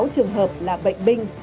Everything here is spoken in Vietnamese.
hai mươi sáu trường hợp là bệnh binh